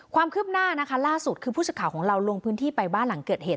ความคืบหน้านะคะล่าสุดคือผู้สึกข่าวของเราลงพื้นที่ไปบ้านหลังเกิดเหตุ